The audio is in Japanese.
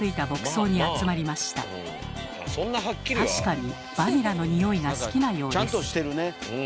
確かにバニラのにおいが好きなようです。